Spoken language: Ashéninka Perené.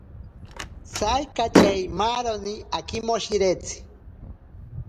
Saikachei maaroni akimoshiretsi.